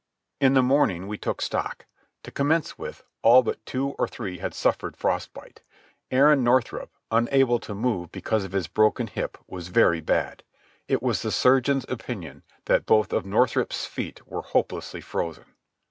In the morning we took stock. To commence with, all but two or three had suffered frost bite. Aaron Northrup, unable to move because of his broken hip, was very bad. It was the surgeon's opinion that both of Northrup's feet were hopelessly frozen.